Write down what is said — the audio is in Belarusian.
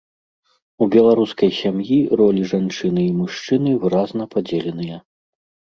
У беларускай сям'і ролі жанчыны і мужчыны выразна падзеленыя.